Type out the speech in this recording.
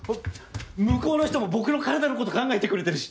向こうの人も僕の体の事考えてくれてるし。